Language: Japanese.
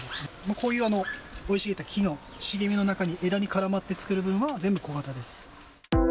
こういう、生い茂った木の茂みの中に枝に絡まって作る分は、全部コガタです。